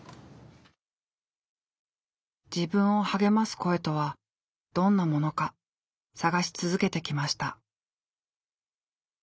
自分を励ます声とはどんなものか探し続けてきました。